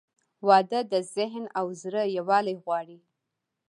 • واده د ذهن او زړه یووالی غواړي.